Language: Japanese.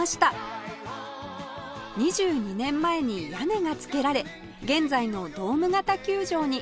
２２年前に屋根が付けられ現在のドーム型球場に